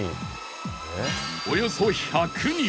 およそ１００人